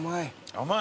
甘い。